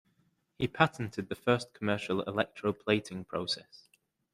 He patented the first commercial electroplating process.